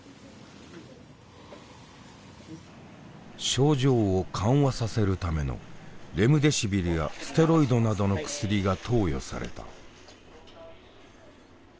症状を緩和させるためのレムデシビルやステロイドなどの薬が投与された。